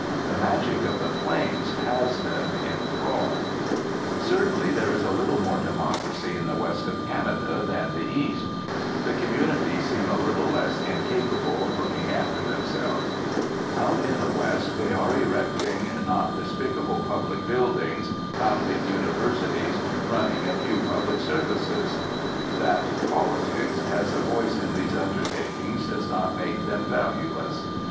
The magic of the plains has them in thrall. Certainly there is a little more democracy in the west of Canada than the east; the communities seem a little less incapable of looking after themselves. Out in the west they are erecting not despicable public buildings, founding universities, running a few public services. That 'politics' has a voice in these undertakings does not make them valueless.